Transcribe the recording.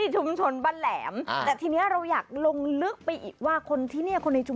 ข้อนอุบวนด้วยน้ำข้อนข้อนใจ